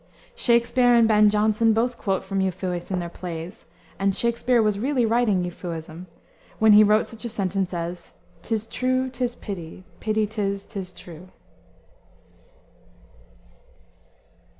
Shakspere and Ben Jonson both quote from Euphues in their plays, and Shakspere was really writing Euphuism, when he wrote such a sentence as "Tis true, 'tis pity; pity 'tis 'tis true."